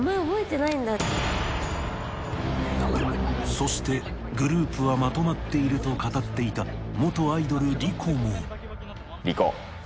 そしてグループはまとまっていると語っていた元アイドルリコもリコ。